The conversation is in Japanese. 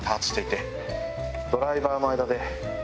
ドライバーの間で。